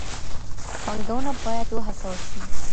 پانګونه بايد وهڅول سي.